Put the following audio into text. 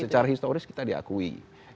secara historis kita diakui